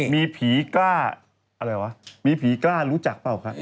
มีผีกล้ารู้จักหรือเปล่าครับ